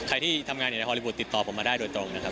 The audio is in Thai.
ที่ทำงานอยู่ในฮอลลีวูดติดต่อผมมาได้โดยตรงนะครับ